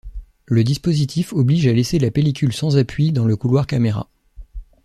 Le dispositif oblige à laisser la pellicule sans appui dans le couloir caméra.